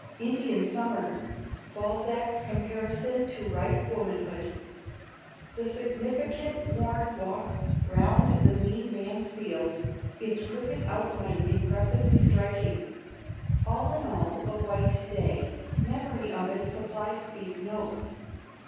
Indian summer. Balzac's comparison to ripe womanhood. The significant worn walk round the mean man's field; its crooked outline impressively striking. All in all, a white day. Memory of it supplies these notes.